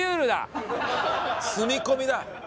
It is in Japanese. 住み込みだ。